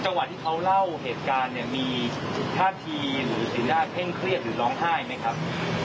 จังหวัดที่เขาเล่าเหตุการณ์เนี่ยมีท่าทีหรือสิ่งที่ได้เพ่งเครียดหรือร้องไห้ไหมครับ